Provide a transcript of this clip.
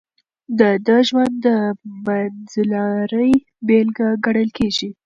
د ده ژوند د منځلارۍ بېلګه ګڼل کېږي.